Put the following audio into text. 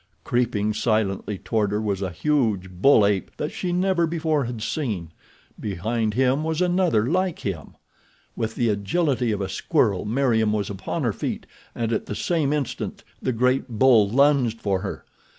Creeping silently toward her was a huge bull ape that she never before had seen. Behind him was another like him. With the agility of a squirrel Meriem was upon her feet and at the same instant the great bull lunged for her.